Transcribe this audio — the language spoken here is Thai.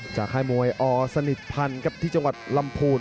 ค่ายมวยอสนิทพันธ์ครับที่จังหวัดลำพูน